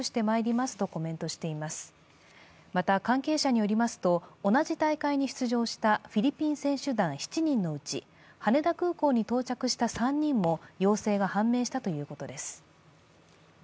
また、関係者によりますと同じ大会に出場したフィリピン選手団７人のうち羽田空港に到着した３人も陽性が判明したということです。